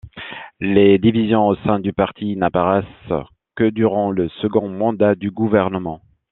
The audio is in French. Les divisions au sein du parti n'apparaissent que durant le second mandat du gouvernement.